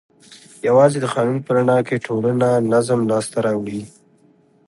یوازې د قانون په رڼا کې ټولنه نظم لاس ته راوړي.